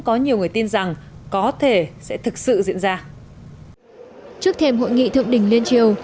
có nhiều người tin rằng có thể sẽ thực sự diễn ra trước thêm hội nghị thượng đỉnh liên triều